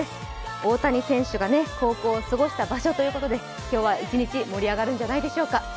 大谷選手が高校を過ごした場所ということで、今日は一日盛り上がるんじゃないでしょうか。